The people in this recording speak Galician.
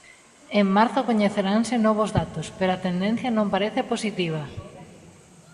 En marzo coñeceranse novos datos, pero a tendencia non parece positiva.